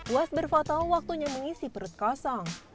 puas berfoto waktunya mengisi perut kosong